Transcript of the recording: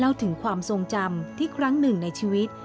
ถึงความทรงจำที่ครั้งหนึ่งในชีวิต